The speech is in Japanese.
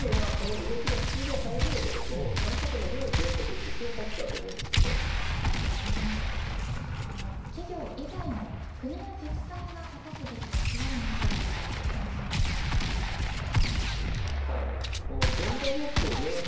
必要なのはその動きのスピードを速めることと参加者の量を増やしていく企業以外の国や自治体が果たすべき役割については石倉さんはどのように考えていますか。